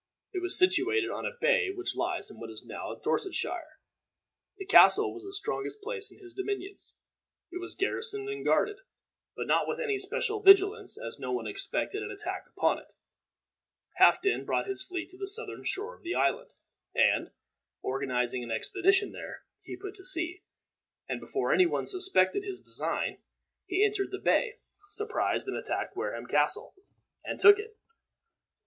It was situated on a bay which lies in what is now Dorsetshire. This castle was the strongest place in his dominions. It was garrisoned and guarded, but not with any special vigilance, as no one expected an attack upon it. Halfden brought his fleet to the southern shore of the island, and, organizing an expedition there, he put to sea, and before any one suspected his design, he entered the bay, surprised and attacked Wareham Castle, and took it.